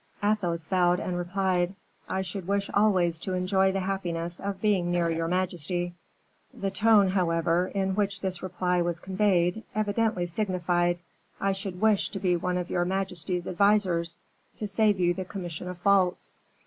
Athos bowed and replied, "I should wish always to enjoy the happiness of being near your majesty." The tone, however, in which this reply was conveyed, evidently signified, "I should wish to be one of your majesty's advisers, to save you the commission of faults."